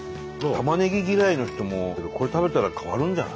たまねぎ嫌いの人もこれ食べたら変わるんじゃない？